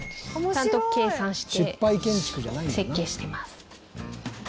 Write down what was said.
ちゃんと計算して設計してます。